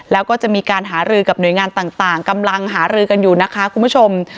แล้วก็จะมีการหารือกับหน่วยงานต่างกำลังหารือกันอยู่นะคะคุณผู้ชม